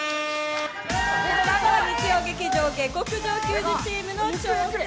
日曜劇場「下剋上球児」チームの挑戦。